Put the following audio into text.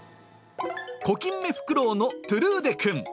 コキンメフクロウのトゥルーデくん。